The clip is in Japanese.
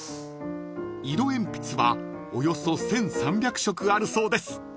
［色鉛筆はおよそ１，３００色あるそうです］